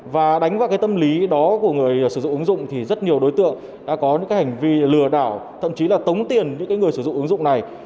và đánh vào cái tâm lý đó của người sử dụng ứng dụng thì rất nhiều đối tượng đã có những hành vi lừa đảo thậm chí là tống tiền những người sử dụng ứng dụng này